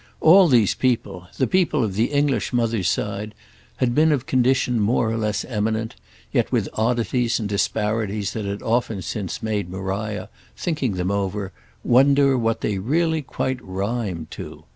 All these people—the people of the English mother's side—had been of condition more or less eminent; yet with oddities and disparities that had often since made Maria, thinking them over, wonder what they really quite rhymed to.